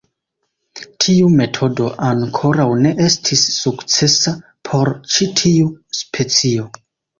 Tiu metodo ankoraŭ ne estis sukcesa por ĉi tiu specio.